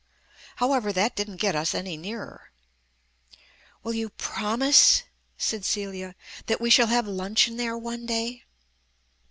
However, that didn't get us any nearer. "Will you promise," said Celia, "that we shall have lunch in there one day?"